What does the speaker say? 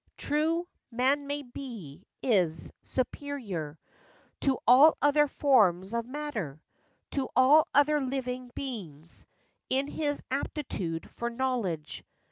True, man may be, is, superior To all other forms of matter, To all other living beings, In his aptitude for knowledge.